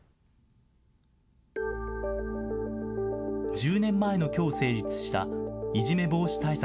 １０年前のきょう成立したいじめ防止対策